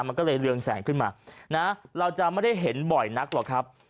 มันก็เลยเรืองแสงขึ้นมานะเราจะไม่ได้เห็นบ่อยนักหรอกครับ